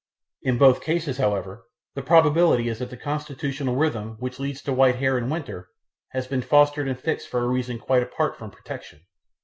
In both cases, however, the probability is that the constitutional rhythm which leads to white hair in winter has been fostered and fixed for a reason quite apart from protection.